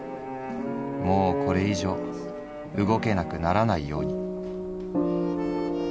もうこれ以上動けなくならないように」。